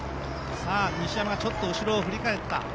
西山がちょっと後ろを振り返った。